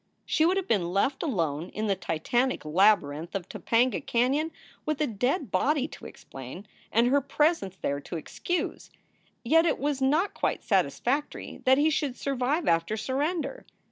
She would have been left alone in the titanic labyrinth of Topanga Canon with a dead body to explain and her presence there to excuse. Yet it was not quite satisfactory that he should survive after surrender.